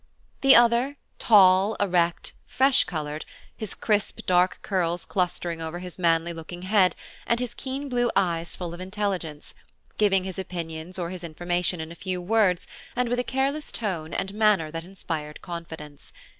The other, tall, erect, fresh colored, his crisp dark curls clustering over his manly looking head, and his keen blue eyes full of intelligence, giving his opinions or his information in a few words, and with a careless tone and manner that inspired confidence.